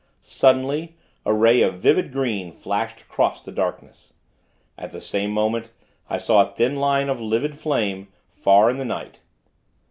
Suddenly, a ray of vivid green, flashed across the darkness. At the same moment, I saw a thin line of livid flame, far in the night.